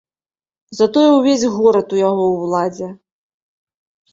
Затое ўвесь горад у яго ўладзе.